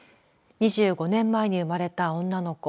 ２５年前に生まれた女の子。